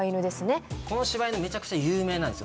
この柴犬めちゃくちゃ有名なんですよ。